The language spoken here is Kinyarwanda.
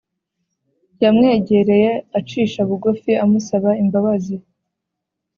yamwegereye acisha bugufi amusaba imbabazi